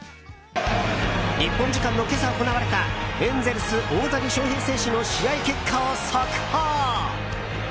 日本時間の今朝行われたエンゼルス大谷翔平選手の試合結果を速報！